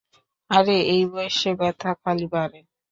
আরে, এই বয়সে ব্যথা খালি বাড়ে।